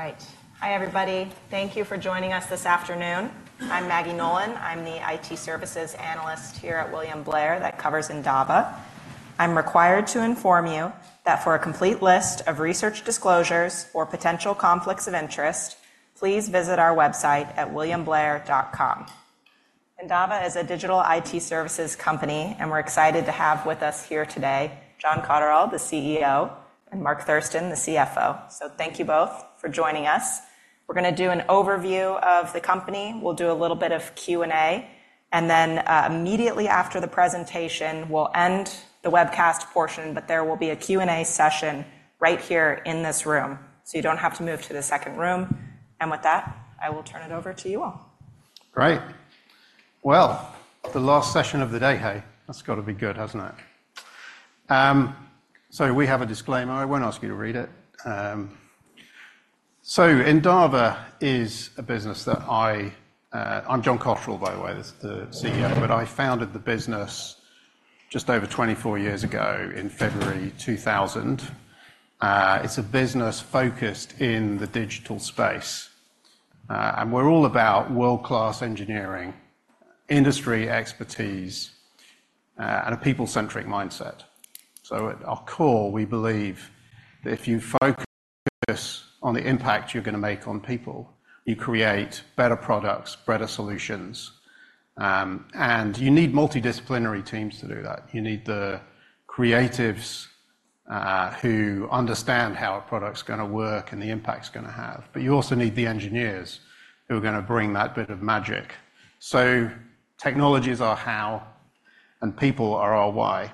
Good? All right. Hi, everybody. Thank you for joining us this afternoon. I'm Margaret Nolan. I'm the IT Services Analyst here at William Blair that covers Endava. I'm required to inform you that for a complete list of research disclosures or potential conflicts of interest, please visit our website at williamblair.com. Endava is a digital IT services company, and we're excited to have with us here today, John Cotterell, the CEO, and Mark Thurston, the CFO. So thank you both for joining us. We're gonna do an overview of the company. We'll do a little bit of Q&A, and then, immediately after the presentation, we'll end the webcast portion, but there will be a Q&A session right here in this room, so you don't have to move to the second room. And with that, I will turn it over to you all. Great. Well, the last session of the day, hey, that's got to be good, hasn't it? So we have a disclaimer. I won't ask you to read it. So Endava is a business. I'm John Cotterell, by the way, the CEO, but I founded the business just over 24 years ago in February 2000. It's a business focused in the digital space, and we're all about world-class engineering, industry expertise, and a people-centric mindset. So at our core, we believe that if you focus on the impact you're gonna make on people, you create better products, better solutions, and you need multidisciplinary teams to do that. You need the creatives, who understand how a product's gonna work and the impact it's gonna have, but you also need the engineers who are gonna bring that bit of magic. So technologies are how, and people are our why.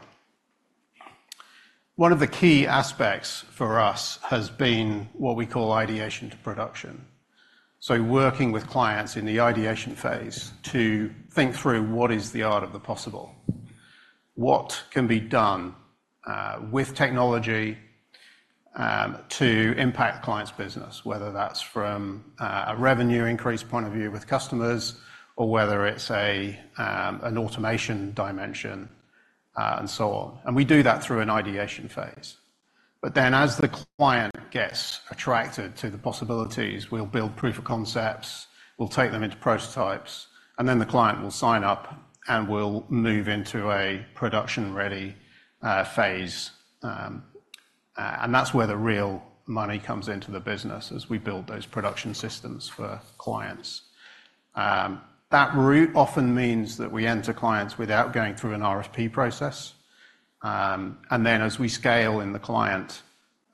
One of the key aspects for us has been what we call Ideation to Production. So working with clients in the ideation phase to think through what is the art of the possible, what can be done with technology to impact clients' business, whether that's from a revenue increase point of view with customers, or whether it's an automation dimension, and so on. And we do that through an ideation phase. But then, as the client gets attracted to the possibilities, we'll build proof of concepts, we'll take them into prototypes, and then the client will sign up, and we'll move into a production-ready phase. And that's where the real money comes into the business as we build those production systems for clients. That route often means that we enter clients without going through an RFP process. And then, as we scale in the client,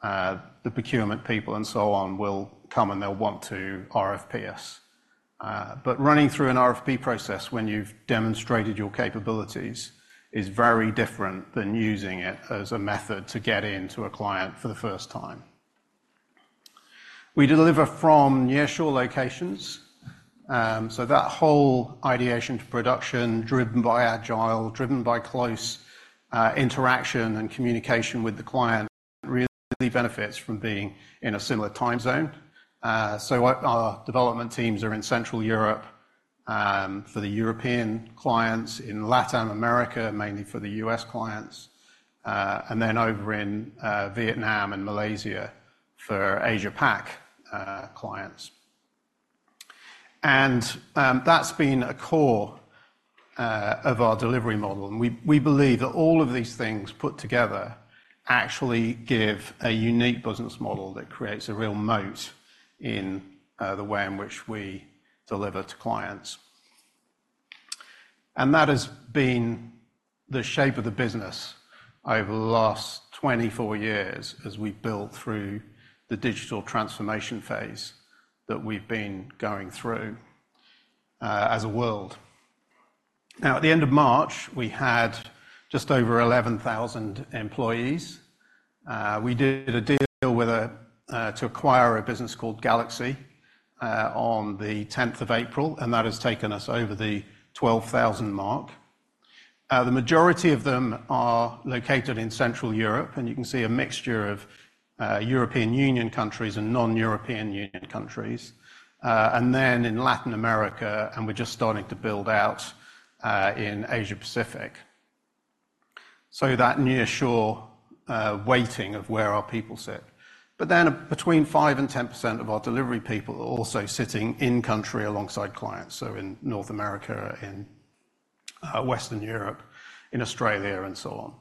the procurement people and so on will come, and they'll want to RFP us. But running through an RFP process when you've demonstrated your capabilities is very different than using it as a method to get into a client for the first time. We deliver from nearshore locations, so that whole ideation to production, driven by agile, driven by close interaction and communication with the client, really benefits from being in a similar time zone. So our development teams are in Central Europe, for the European clients, in Latin America, mainly for the U.S. clients, and then over in Vietnam and Malaysia for Asia-Pac clients. That's been a core of our delivery model, and we believe that all of these things put together actually give a unique business model that creates a real moat in the way in which we deliver to clients. And that has been the shape of the business over the last 24 years as we've built through the digital transformation phase that we've been going through as a world. Now, at the end of March, we had just over 11,000 employees. We did a deal with a to acquire a business called GalaxE on the tenth of April, and that has taken us over the 12,000 mark. The majority of them are located in Central Europe, and you can see a mixture of European Union countries and non-European Union countries, and then in Latin America, and we're just starting to build out in Asia Pacific. So that nearshore weighting of where our people sit. But then between 5% and 10% of our delivery people are also sitting in country alongside clients, so in North America, in Western Europe, in Australia, and so on.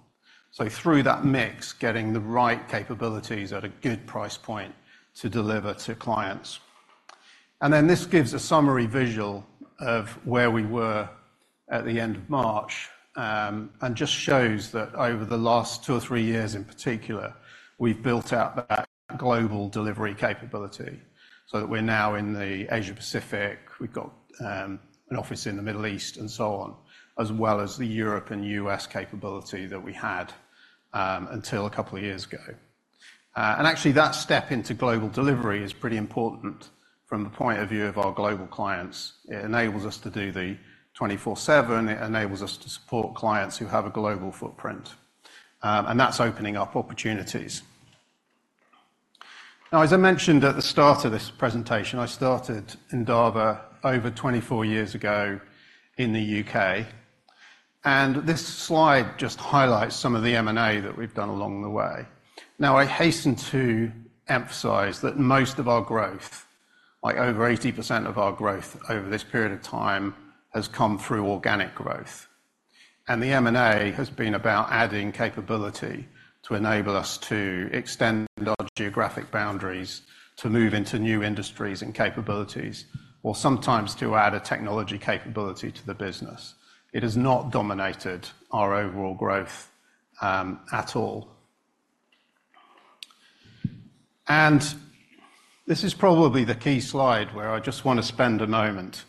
So through that mix, getting the right capabilities at a good price point to deliver to clients. This gives a summary visual of where we were at the end of March, and just shows that over the last two or three years, in particular, we've built out that global delivery capability so that we're now in the Asia Pacific, we've got an office in the Middle East, and so on, as well as the Europe and US capability that we had until a couple of years ago. Actually, that step into global delivery is pretty important from the point of view of our global clients. It enables us to do the 24/7. It enables us to support clients who have a global footprint, and that's opening up opportunities. Now, as I mentioned at the start of this presentation, I started Endava over 24 years ago in the UK.... This slide just highlights some of the M&A that we've done along the way. Now, I hasten to emphasize that most of our growth, like over 80% of our growth over this period of time, has come through organic growth. The M&A has been about adding capability to enable us to extend our geographic boundaries, to move into new industries and capabilities, or sometimes to add a technology capability to the business. It has not dominated our overall growth at all. This is probably the key slide where I just want to spend a moment.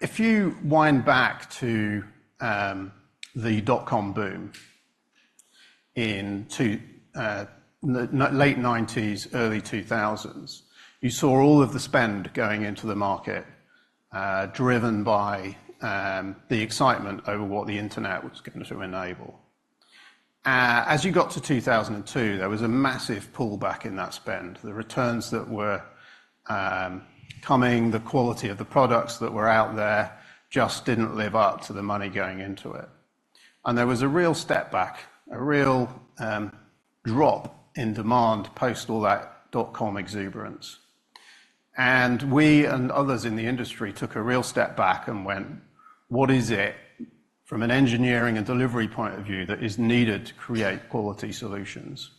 If you wind back to the dot-com boom in the late 1990s, early 2000s, you saw all of the spend going into the market, driven by the excitement over what the internet was going to enable. As you got to 2002, there was a massive pullback in that spend. The returns that were coming, the quality of the products that were out there just didn't live up to the money going into it. And there was a real step back, a real drop in demand post all that dotcom exuberance. And we and others in the industry took a real step back and went, "What is it, from an engineering and delivery point of view, that is needed to create quality solutions?"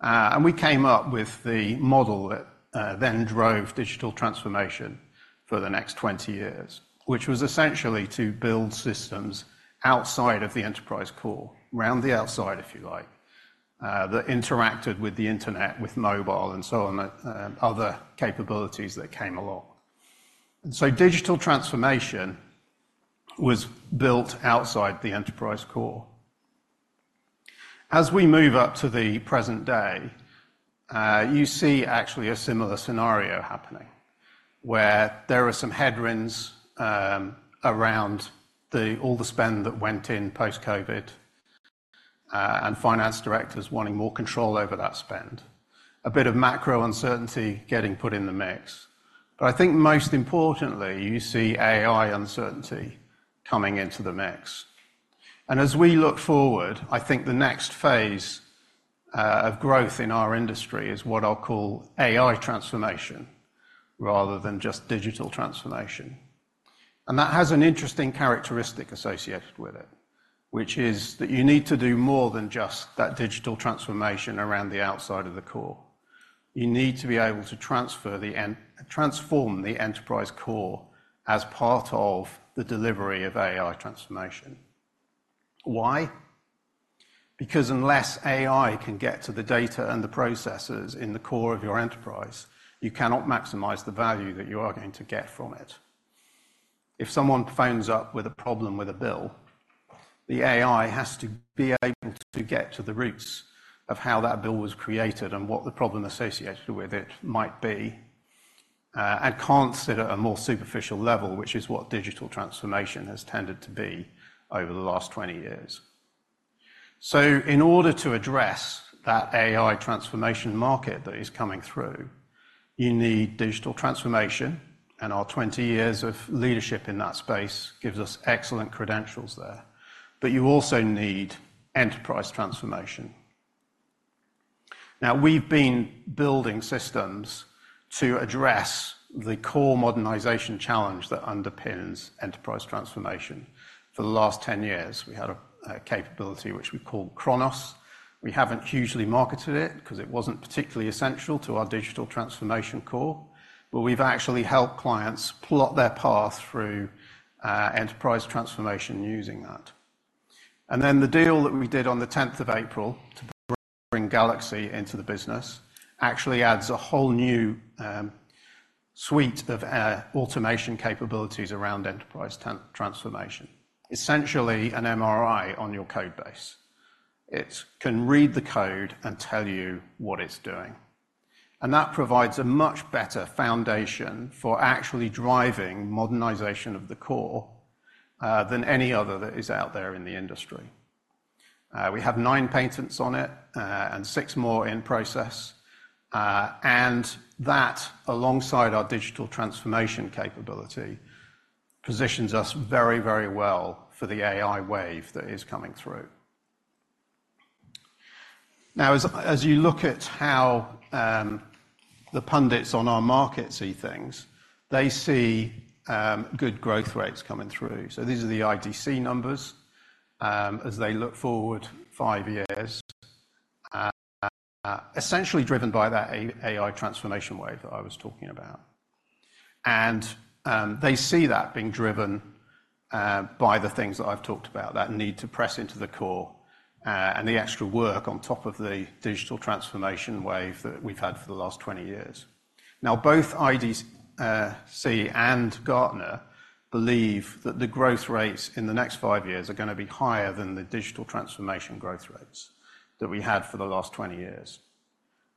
And we came up with the model that then drove digital transformation for the next 20 years, which was essentially to build systems outside of the enterprise core, around the outside, if you like, that interacted with the internet, with mobile, and so on, other capabilities that came along. So digital transformation was built outside the enterprise core. As we move up to the present day, you see actually a similar scenario happening, where there are some headwinds around the... all the spend that went in post-COVID, and finance directors wanting more control over that spend. A bit of macro uncertainty getting put in the mix. But I think most importantly, you see AI uncertainty coming into the mix. And as we look forward, I think the next phase of growth in our industry is what I'll call AI transformation, rather than just digital transformation. And that has an interesting characteristic associated with it, which is that you need to do more than just that digital transformation around the outside of the core. You need to be able to transform the enterprise core as part of the delivery of AI transformation. Why? Because unless AI can get to the data and the processors in the core of your enterprise, you cannot maximize the value that you are going to get from it. If someone phones up with a problem with a bill, the AI has to be able to get to the roots of how that bill was created and what the problem associated with it might be, and can't sit at a more superficial level, which is what digital transformation has tended to be over the last 20 years. So in order to address that AI transformation market that is coming through, you need digital transformation, and our 20 years of leadership in that space gives us excellent credentials there. But you also need enterprise transformation. Now, we've been building systems to address the core modernization challenge that underpins enterprise transformation. For the last 10 years, we had a capability which we called Chronos. We haven't hugely marketed it, 'cause it wasn't particularly essential to our digital transformation core, but we've actually helped clients plot their path through enterprise transformation using that. And then the deal that we did on the tenth of April to bring GalaxE into the business actually adds a whole new suite of automation capabilities around enterprise transformation. Essentially, an MRI on your code base. It can read the code and tell you what it's doing. And that provides a much better foundation for actually driving modernization of the core than any other that is out there in the industry. We have nine patents on it, and six more in process. And that, alongside our digital transformation capability, positions us very, very well for the AI wave that is coming through. Now, as you look at how the pundits on our market see things, they see good growth rates coming through. So these are the IDC numbers, as they look forward five years, essentially driven by that AI transformation wave that I was talking about. And they see that being driven by the things that I've talked about, that need to press into the core, and the extra work on top of the digital transformation wave that we've had for the last 20 years. Now, both IDC and Gartner believe that the growth rates in the next five years are gonna be higher than the digital transformation growth rates that we had for the last 20 years.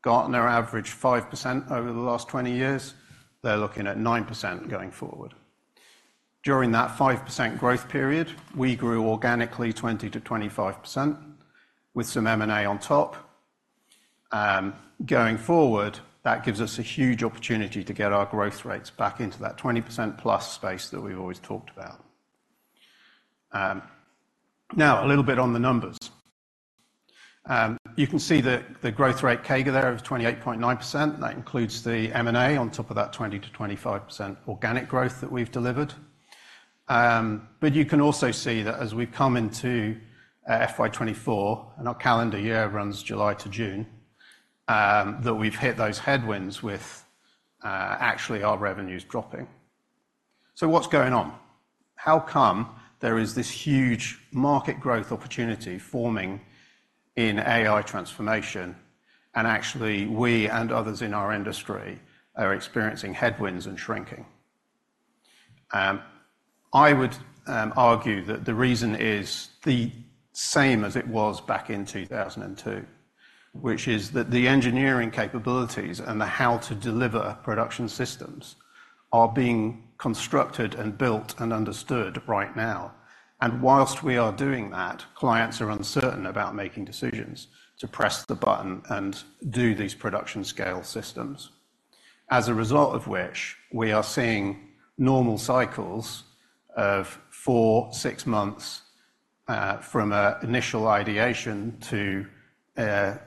Gartner averaged 5% over the last 20 years. They're looking at 9% going forward. During that 5% growth period, we grew organically 20%-25%, with some M&A on top. Going forward, that gives us a huge opportunity to get our growth rates back into that 20%+ space that we've always talked about. Now, a little bit on the numbers. You can see that the growth rate CAGR there of 28.9%, that includes the M&A on top of that 20%-25% organic growth that we've delivered. But you can also see that as we've come into FY 2024, and our calendar year runs July to June, that we've hit those headwinds with actually our revenues dropping. So what's going on? How come there is this huge market growth opportunity forming in AI transformation, and actually, we and others in our industry are experiencing headwinds and shrinking? I would argue that the reason is the same as it was back in 2002, which is that the engineering capabilities and the how to deliver production systems are being constructed and built and understood right now. And whilst we are doing that, clients are uncertain about making decisions to press the button and do these production scale systems. As a result of which, we are seeing normal cycles of 4-6 months from initial ideation to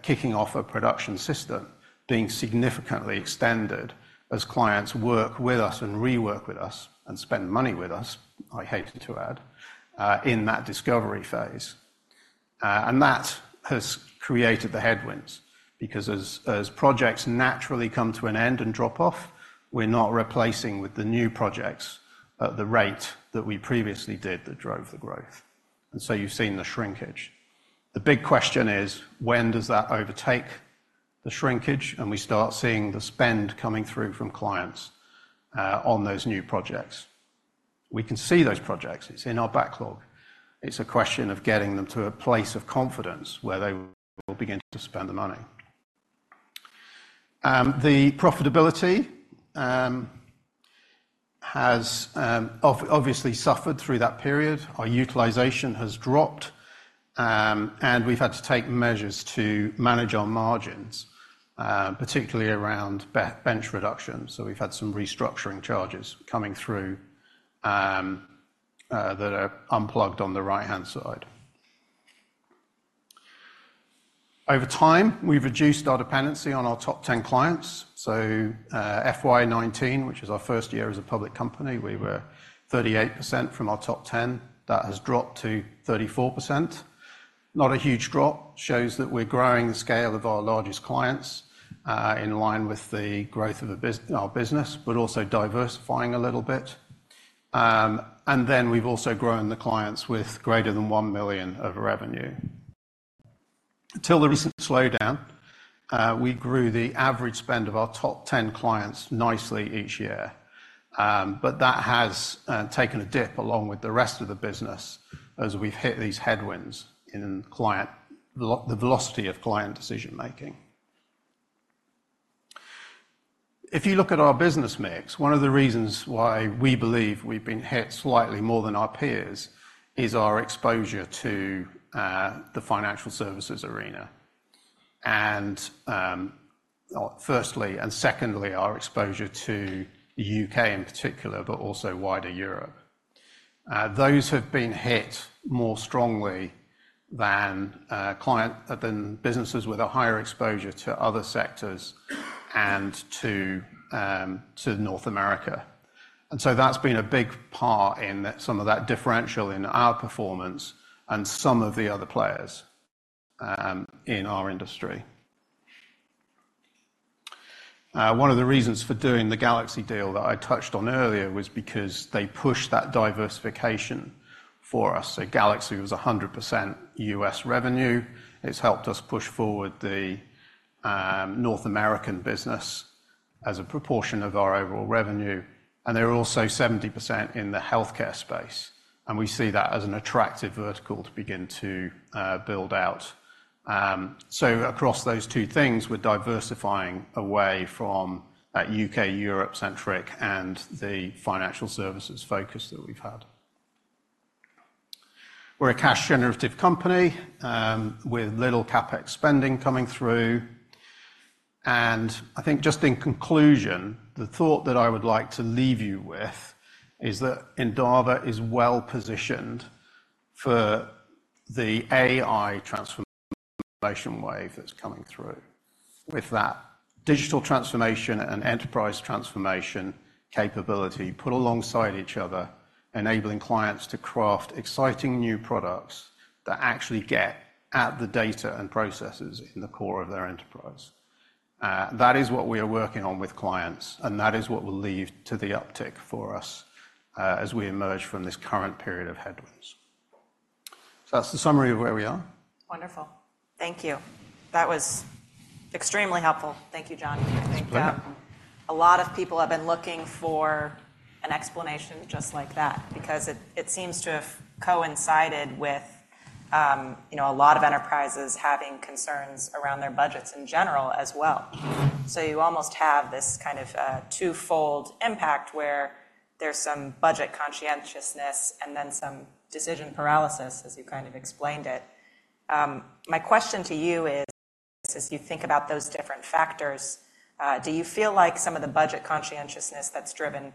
kicking off a production system being significantly extended as clients work with us and rework with us and spend money with us, I hate to add, in that discovery phase. And that has created the headwinds, because as projects naturally come to an end and drop off, we're not replacing with the new projects at the rate that we previously did that drove the growth. And so you've seen the shrinkage. The big question is, when does that overtake the shrinkage, and we start seeing the spend coming through from clients, on those new projects? We can see those projects. It's in our backlog. It's a question of getting them to a place of confidence where they will begin to spend the money. The profitability has obviously suffered through that period. Our utilization has dropped, and we've had to take measures to manage our margins, particularly around bench reduction. So we've had some restructuring charges coming through, that are unpacked on the right-hand side. Over time, we've reduced our dependency on our top ten clients. So, FY 2019, which is our first year as a public company, we were 38% from our top ten. That has dropped to 34%. Not a huge drop, shows that we're growing the scale of our largest clients, in line with the growth of our business, but also diversifying a little bit. And then we've also grown the clients with greater than 1 million of revenue. Until the recent slowdown, we grew the average spend of our top ten clients nicely each year. But that has taken a dip along with the rest of the business as we've hit these headwinds in the velocity of client decision-making. If you look at our business mix, one of the reasons why we believe we've been hit slightly more than our peers is our exposure to the financial services arena. Firstly, and secondly, our exposure to the U.K. in particular, but also wider Europe. Those have been hit more strongly than businesses with a higher exposure to other sectors and to North America. So that's been a big part in some of that differential in our performance and some of the other players in our industry. One of the reasons for doing the GalaxE deal that I touched on earlier was because they pushed that diversification for us. So GalaxE was 100% U.S. revenue. It's helped us push forward the North American business as a proportion of our overall revenue, and they're also 70% in the healthcare space, and we see that as an attractive vertical to begin to build out. So across those two things, we're diversifying away from a U.K., Europe-centric and the financial services focus that we've had. We're a cash-generative company with little CapEx spending coming through. I think just in conclusion, the thought that I would like to leave you with is that Endava is well-positioned for the AI transformation wave that's coming through. With that digital transformation and enterprise transformation capability put alongside each other, enabling clients to craft exciting new products that actually get at the data and processes in the core of their enterprise. That is what we are working on with clients, and that is what will lead to the uptick for us, as we emerge from this current period of headwinds. So that's the summary of where we are. Wonderful. Thank you. That was extremely helpful. Thank you, John. Excellent. I think a lot of people have been looking for an explanation just like that because it, it seems to have coincided with you know, a lot of enterprises having concerns around their budgets in general as well. So you almost have this kind of twofold impact where there's some budget conscientiousness, and then some decision paralysis, as you kind of explained it. My question to you is, as you think about those different factors, do you feel like some of the budget conscientiousness that's driven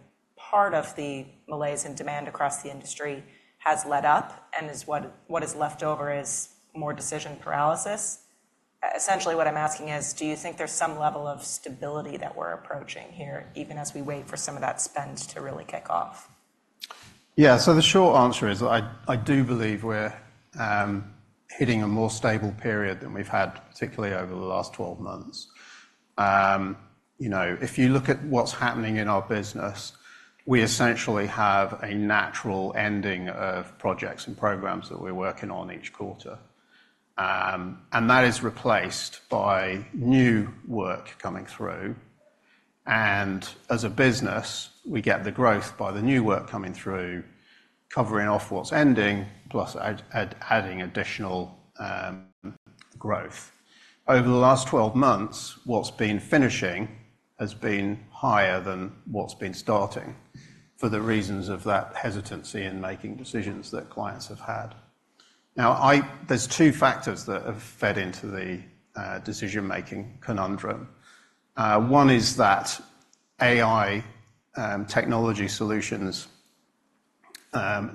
part of the malaise in demand across the industry has led up, and is what, what is left over is more decision paralysis? Essentially, what I'm asking is: do you think there's some level of stability that we're approaching here, even as we wait for some of that spend to really kick off? Yeah. So the short answer is, I do believe we're hitting a more stable period than we've had, particularly over the last 12 months. You know, if you look at what's happening in our business, we essentially have a natural ending of projects and programs that we're working on each quarter. And that is replaced by new work coming through, and as a business, we get the growth by the new work coming through, covering off what's ending, plus adding additional growth. Over the last 12 months, what's been finishing has been higher than what's been starting for the reasons of that hesitancy in making decisions that clients have had. Now, there's 2 factors that have fed into the decision-making conundrum. One is that AI technology solutions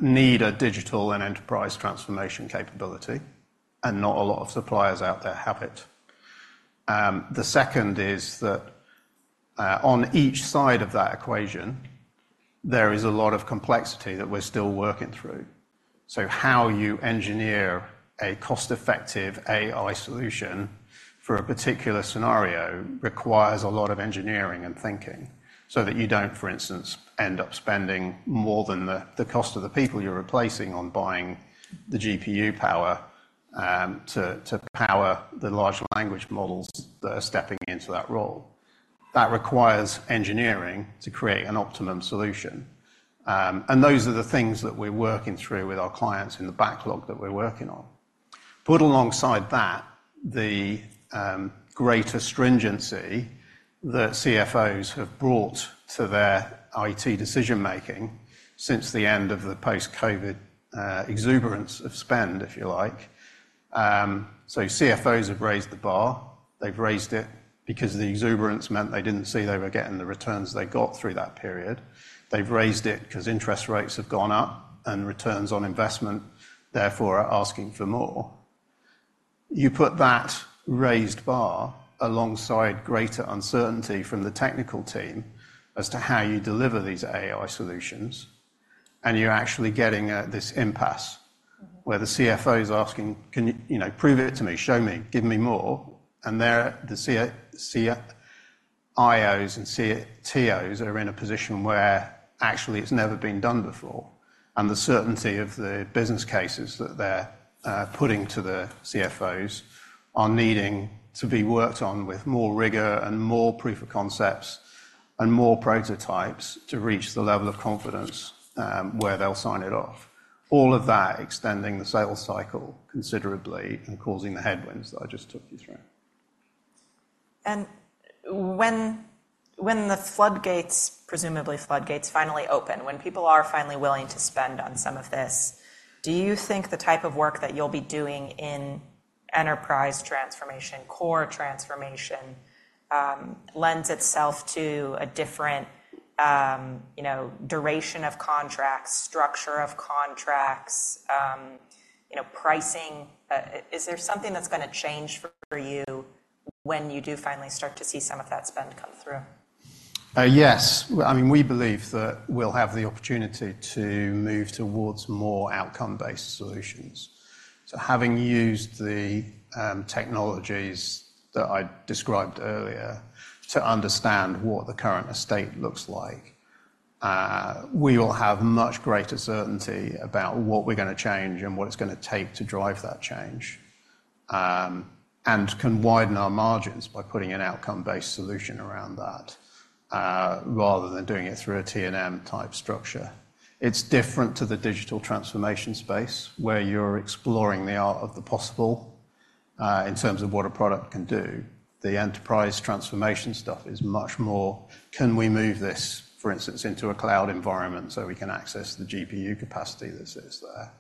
need a digital and enterprise transformation capability, and not a lot of suppliers out there have it. The second is that on each side of that equation, there is a lot of complexity that we're still working through. So how you engineer a cost-effective AI solution for a particular scenario requires a lot of engineering and thinking, so that you don't, for instance, end up spending more than the cost of the people you're replacing on buying the GPU power to power the large language models that are stepping into that role. That requires engineering to create an optimum solution. And those are the things that we're working through with our clients in the backlog that we're working on. Put alongside that, the greater stringency that CFOs have brought to their IT decision-making since the end of the post-COVID exuberance of spend, if you like. So CFOs have raised the bar. They've raised it because the exuberance meant they didn't see they were getting the returns they got through that period. They've raised it 'cause interest rates have gone up, and returns on investment, therefore, are asking for more. You put that raised bar alongside greater uncertainty from the technical team as to how you deliver these AI solutions, and you're actually getting this impasse, where the CFO is asking: "Can you... You know, prove it to me. Show me. Give me more." And they're the CIOs and CTOs are in a position where actually it's never been done before, and the certainty of the business cases that they're putting to the CFOs are needing to be worked on with more rigor and more proof of concepts and more prototypes to reach the level of confidence where they'll sign it off. All of that extending the sales cycle considerably and causing the headwinds that I just took you through. And when the floodgates finally open, when people are finally willing to spend on some of this, do you think the type of work that you'll be doing in enterprise transformation, core transformation, lends itself to a different, you know, duration of contracts, structure of contracts, you know, pricing? Is there something that's gonna change for you when you do finally start to see some of that spend come through? Yes. I mean, we believe that we'll have the opportunity to move towards more outcome-based solutions. So having used the technologies that I described earlier to understand what the current estate looks like, we will have much greater certainty about what we're gonna change and what it's gonna take to drive that change, and can widen our margins by putting an outcome-based solution around that, rather than doing it through a T&M type structure. It's different to the digital transformation space, where you're exploring the art of the possible, in terms of what a product can do. The enterprise transformation stuff is much more: can we move this, for instance, into a cloud environment, so we can access the GPU capacity that sits there,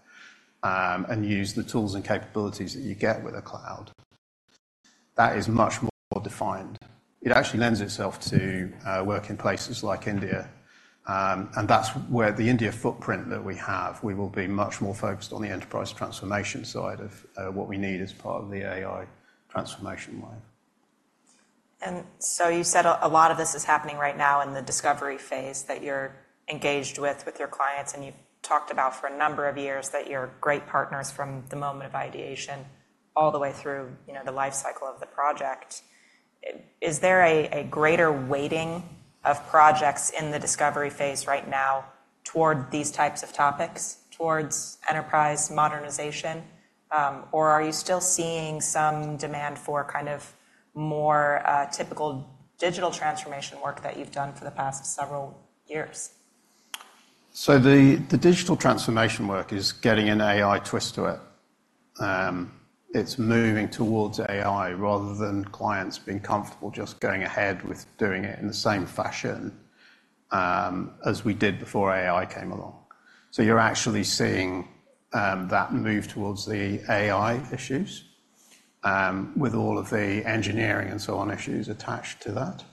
and use the tools and capabilities that you get with a cloud? That is much more defined. It actually lends itself to work in places like India, and that's where the India footprint that we have, we will be much more focused on the enterprise transformation side of what we need as part of the AI transformation wave. And so you said a lot of this is happening right now in the discovery phase that you're engaged with, with your clients, and you've talked about for a number of years that you're great partners from the moment of ideation all the way through, you know, the life cycle of the project. Is there a greater weighting of projects in the discovery phase right now toward these types of topics, towards enterprise modernization, or are you still seeing some demand for kind of more, typical digital transformation work that you've done for the past several years? So the digital transformation work is getting an AI twist to it. It's moving towards AI rather than clients being comfortable just going ahead with doing it in the same fashion as we did before AI came along. So you're actually seeing that move towards the AI issues with all of the engineering and so on, issues attached to that.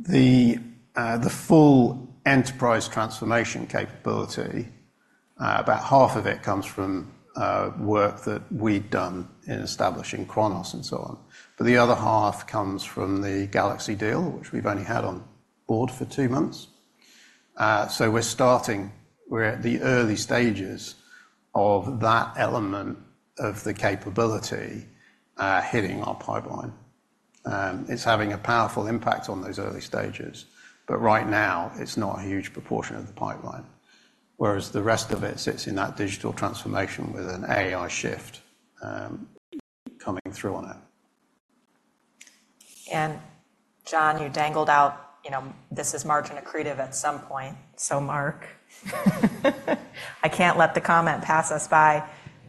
The full enterprise transformation capability, about half of it comes from work that we'd done in establishing Chronos and so on. But the other half comes from the GalaxE deal, which we've only had on board for two months. So we're starting, we're at the early stages of that element of the capability hitting our pipeline. It's having a powerful impact on those early stages, but right now, it's not a huge proportion of the pipeline, whereas the rest of it sits in that digital transformation with an AI shift, coming through on it. And John, you dangled out, you know, this is margin accretive at some point, so Mark, I can't let the comment pass us by.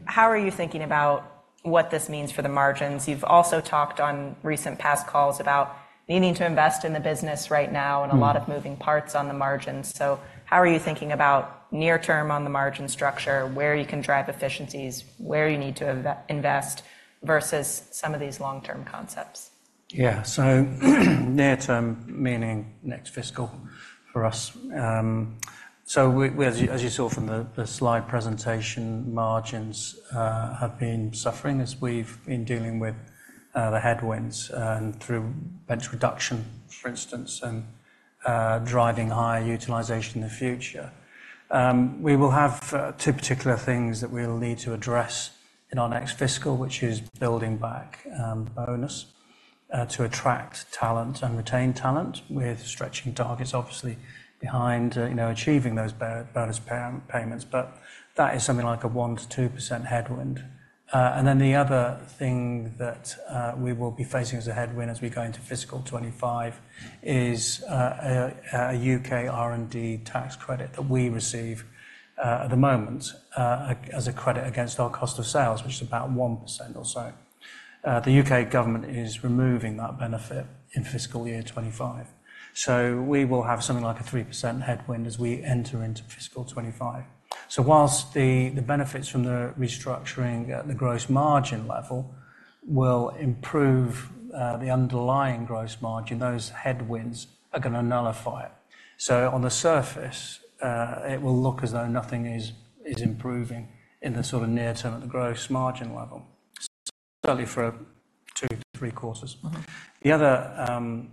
How are you thinking about what this means for the margins? You've also talked on recent past calls about needing to invest in the business right now- And a lot of moving parts on the margins. So how are you thinking about near term on the margin structure, where you can drive efficiencies, where you need to invest, versus some of these long-term concepts? Yeah, so near term, meaning next fiscal for us. So we, as you saw from the slide presentation, margins have been suffering as we've been dealing with the headwinds through bench reduction, for instance, and driving higher utilization in the future. We will have two particular things that we'll need to address in our next fiscal, which is building back bonus to attract talent and retain talent, with stretching targets obviously behind, you know, achieving those bonus payments, but that is something like a 1%-2% headwind. And then the other thing that we will be facing as a headwind as we go into fiscal 25 is a UK R&D tax credit that we receive at the moment as a credit against our cost of sales, which is about 1% or so. The UK government is removing that benefit in fiscal year 25. So we will have something like a 3% headwind as we enter into fiscal 25. So whilst the benefits from the restructuring at the gross margin level will improve the underlying gross margin, those headwinds are gonna nullify it. So on the surface, it will look as though nothing is improving in the sort of near term at the gross margin level, certainly for 2-3 quarters. Mm-hmm. The other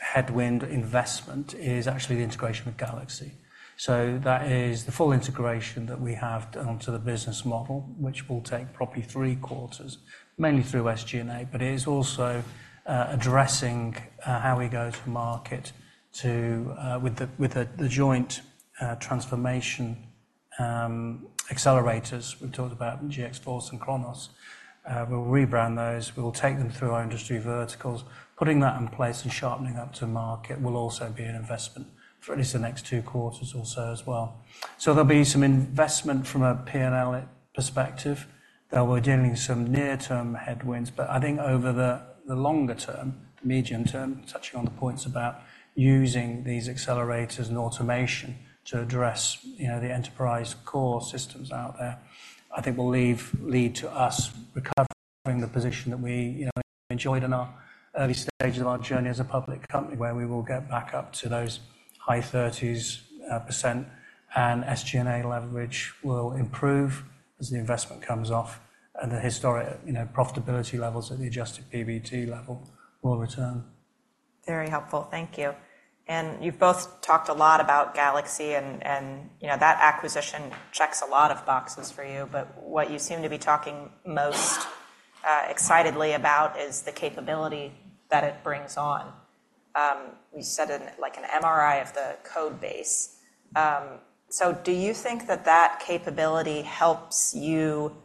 headwind investment is actually the integration with GalaxE. So that is the full integration that we have done to the business model, which will take probably three quarters, mainly through SG&A, but it is also addressing how we go to market with the joint transformation accelerators. We've talked about GxFource and Chronos. We'll rebrand those, we will take them through our industry verticals. Putting that in place and sharpening up to market will also be an investment for at least the next two quarters or so as well. So there'll be some investment from a P&L perspective, that we're dealing with some near-term headwinds. But I think over the longer term, medium term, touching on the points about using these accelerators and automation to address, you know, the enterprise core systems out there, I think will lead to us recovering the position that we, you know, enjoyed in our early stages of our journey as a public company, where we will get back up to those high thirties %, and SG&A leverage will improve as the investment comes off, and the historic, you know, profitability levels at the adjusted PBT level will return. Very helpful. Thank you. And you've both talked a lot about GalaxE and, you know, that acquisition checks a lot of boxes for you, but what you seem to be talking most excitedly about is the capability that it brings on. You said it like an MRI of the code base. So do you think that that capability helps you,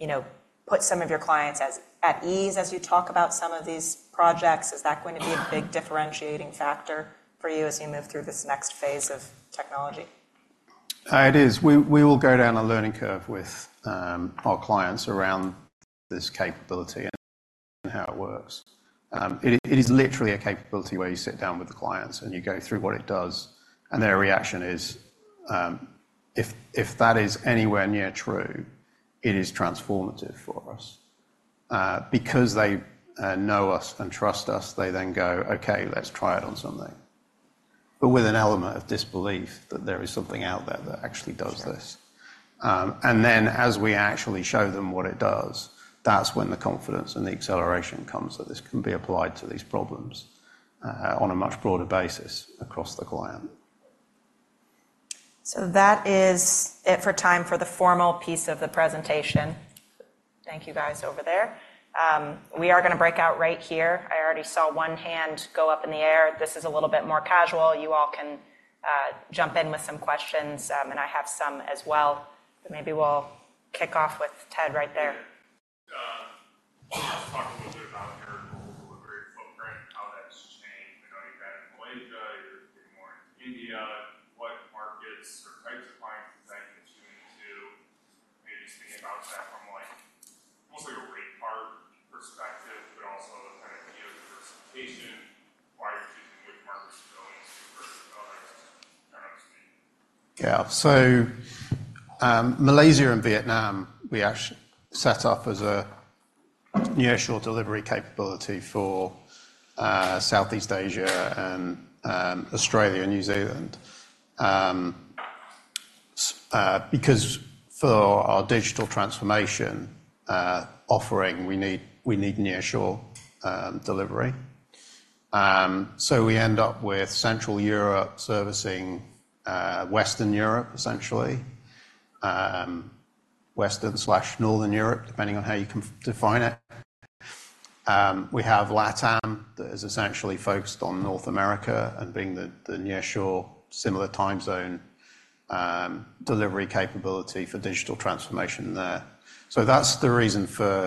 you know, put some of your clients at ease as you talk about some of these projects? Is that going to be a big differentiating factor for you as you move through this next phase of technology? It is. We will go down a learning curve with our clients around this capability and how it works. It is literally a capability where you sit down with the clients, and you go through what it does, and their reaction is, "If that is anywhere near true, it is transformative for us." Because they know us and trust us, they then go, "Okay, let's try it on something." But with an element of disbelief that there is something out there that actually does this. And then as we actually show them what it does, that's when the confidence and the acceleration comes, that this can be applied to these problems on a much broader basis across the client. So that is it for time for the formal piece of the presentation. Thank you guys over there. We are gonna break out right here. I already saw one hand go up in the air. This is a little bit more casual. You all can jump in with some questions, and I have some as well, but maybe we'll kick off with Ted right there. Let's talk a little bit about your global delivery footprint and how that's changed. I know you've been in Malaysia, you're getting more into India. What markets or types of clients is that tuned into? Maybe just thinking about that from, like, almost like a rate part perspective, but also the kind of diversification, why you're choosing which markets you're going to versus others, kind of see. Yeah. So, Malaysia and Vietnam, we set up as a nearshore delivery capability for, Southeast Asia and, Australia and New Zealand. Because for our digital transformation, offering, we need, we need nearshore, delivery. So we end up with Central Europe servicing, Western Europe, essentially, Western/Northern Europe, depending on how you define it. We have LATAM, that is essentially focused on North America and being the, the nearshore, similar time zone, delivery capability for digital transformation there. So that's the reason for-